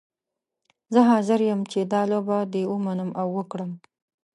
زه حاضره یم چې دا لوبه دې ومنم او وکړم.